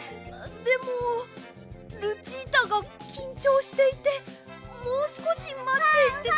でもルチータがきんちょうしていてもうすこしまって。